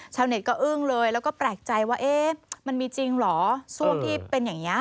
ชาวเน็ตก็อึ้งเลยแล้วก็แปลกใจว่าเอ๊ะมันมีจริงเหรอช่วงที่เป็นอย่างนี้